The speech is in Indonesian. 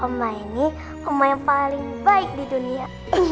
oma ini oma yang paling baik di dunia